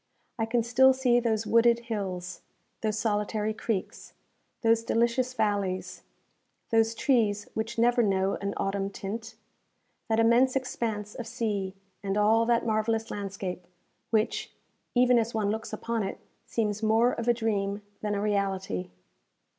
I can still see those wooded hills, those solitary creeks, those delicious valleys, those trees which never know an autumn tint, that immense expanse of sea, and all that marvellous landscape, which, even as one looks upon it, seems more of a dream than a reality.